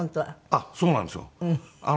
あっそうなんですよ。